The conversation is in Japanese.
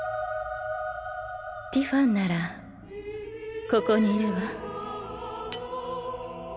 ティファンならここにいるわ。